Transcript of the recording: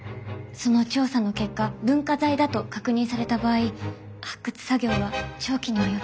その調査の結果文化財だと確認された場合発掘作業は長期に及びます。